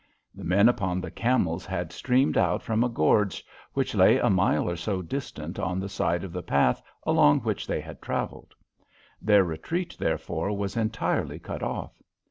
The men upon the camels had streamed out from a gorge which lay a mile or so distant on the side of the path along which they had travelled. Their retreat, therefore, was entirely cut off.